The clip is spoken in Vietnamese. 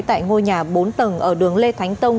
tại ngôi nhà bốn tầng ở đường lê thánh tông